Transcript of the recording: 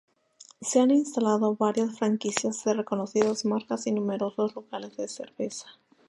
Se han instalado varias franquicias de reconocidas marcas y numerosos locales de cerveza.